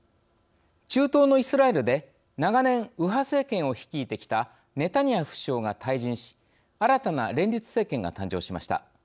中東のイスラエルで長年、右派政権を率いてきたネタニヤフ首相が退陣し新たな連立政権が誕生しました。